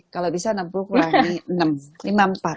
kalau bisa enam puluh kurangi enam empat